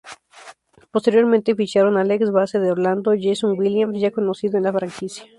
Posteriormente ficharon al ex-base de Orlando, Jason Williams ya conocido en la franquicia.